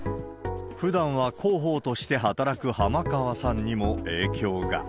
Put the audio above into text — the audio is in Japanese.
ふだんは広報として働く濱川さんにも影響が。